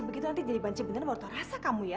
begitu nanti jadi banci beneran bawa tau rasa kamu ya